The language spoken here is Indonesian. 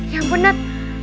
ya ampun nat